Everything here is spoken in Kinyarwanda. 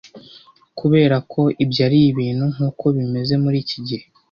Kuberako ibyo aribintu nkuko bimeze muri iki gihe